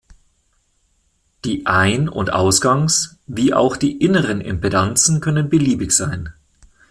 Die Ein- und Ausgangs-, wie auch die inneren Impedanzen können beliebig sein.